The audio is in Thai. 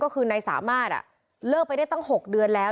ก็คือนายสามารถเลิกไปได้ตั้ง๖เดือนแล้ว